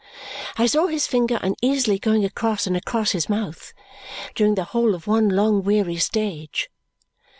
I saw his finger uneasily going across and across his mouth during the whole of one long weary stage.